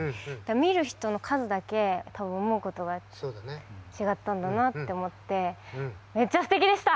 見る人の数だけ思うことが違ったんだなって思ってめっちゃすてきでした！